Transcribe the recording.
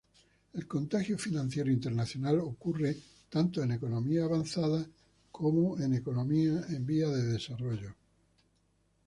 El contagio financiero internacional ocurre tanto en economías avanzadas como en vías de desarrollo.